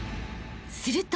［すると］